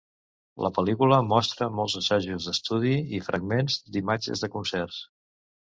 La pel·lícula mostra molts assajos d'estudi i fragments d'imatges de concerts.